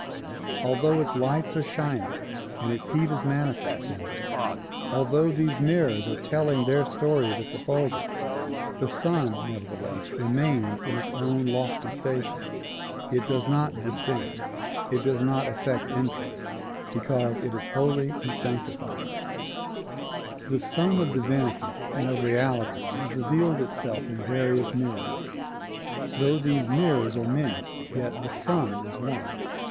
Although its lights are shining and its heat is manifest in them, although these mirrors are telling their story of its effulgence, the Sun nevertheless remains in its own DISCOURSES DELIVERED IN MONTCLAIR 111 lofty station; it does not descend, it docs not effect entrance, because it is holy and sanctified. The Sun of Divinity and of Reality has revealed itself in various mirrors. Though these mirrors are many, yet the Sun is one.